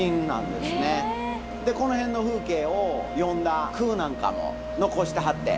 この辺の風景を詠んだ句なんかも残してはって。